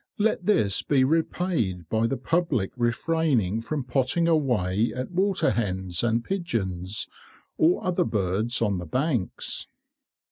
Let this be repaid by the public refraining from potting away at waterhens and pigeons, or other birds on the banks.